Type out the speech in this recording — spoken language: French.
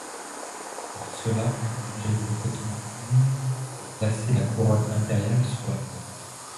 Pour cela, un ingénieux automatisme vient placer la couronne impériale sur leurs têtes.